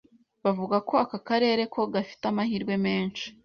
bavuga ko aka karere ko gafite amahirwe menshi